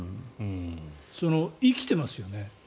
生きてますよね。